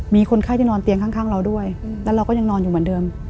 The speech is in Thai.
มีคนไข้ที่นอนเตียงข้างเราด้วยแล้วเราก็ยังนอนอยู่เหมือนเดิม